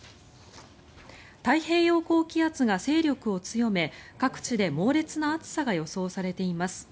太平洋高気圧が勢力を強め各地で猛烈な暑さが予想されています。